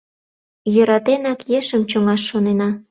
Йӧратенак, ешым чоҥаш шонена.